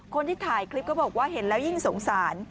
คนที่ถ่ายคลิปก็บอกว่าเห็นแล้วยิ่งสงสาร